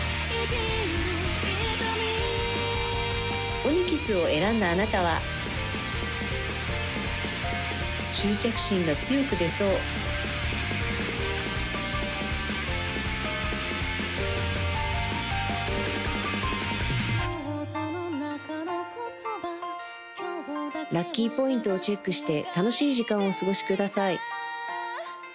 オニキスを選んだあなたは執着心が強く出そうラッキーポイントをチェックして楽しい時間をお過ごしください